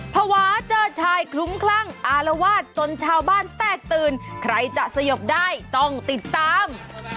ภาวะเจอชายคลุ้มคลั่งอารวาสจนชาวบ้านแตกตื่นใครจะสยบได้ต้องติดตาม